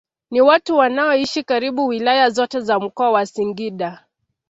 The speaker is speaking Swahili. Ni watu wanaoishi karibu wilaya zote za mkoa wa Singida